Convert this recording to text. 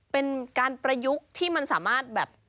เป็นการประยุกต์ที่มันสามารถแบบ